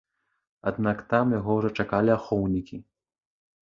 Аднак там яго ўжо чакалі ахоўнікі.